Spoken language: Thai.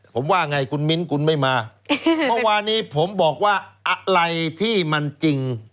ผมว่าไงคุณมิ้นคุณไม่มาเมื่อวานี้ผมบอกว่าอะไรที่มันจริง